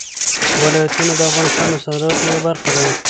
ولایتونه د افغانستان د صادراتو یوه برخه ده.